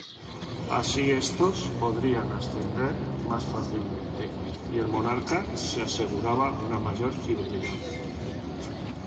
Así estos podrían ascender más fácilmente y el monarca se aseguraba una mayor fidelidad.